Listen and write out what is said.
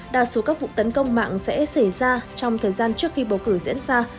đa số các vụ tấn công mạng sẽ xảy ra trong thời gian trước khi bầu cử diễn ra